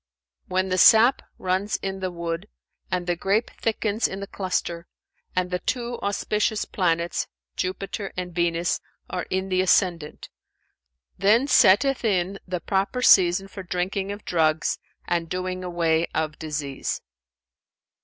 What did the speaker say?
"When the sap runs in the wood and the grape thickens in the cluster and the two auspicious planets, Jupiter and Venus, are in the ascendant; then setteth in the proper season for drinking of drugs and doing away of disease."